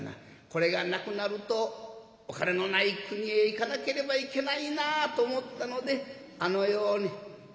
これがなくなるとお金のない国へ行かなければいけないなと思ったのであのように」。